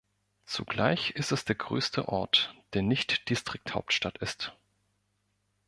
Zugleich ist es der größte Ort, der nicht Distrikthauptstadt ist.